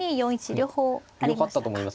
両方あったと思います。